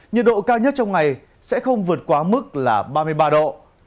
nhiệt độ cao nhất trong ngày sẽ không vượt quá mức là ba mươi ba độ